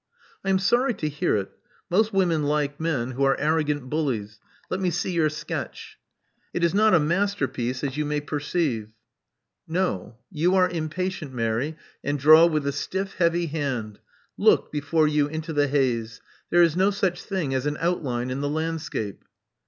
'*I am sorry to hear it. Most women like men who are arrogant bullies. Let me see your sketch." *'It is not a masterpiece, as you may perceive." No. You are impatient, Mary, and draw with a stiff, heavy hand. Look before you into the haze. There is no such thitig as an outline in the landscape.